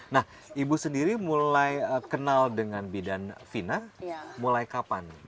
nah ibu sendiri mulai kenal dengan bidan vina mulai kapan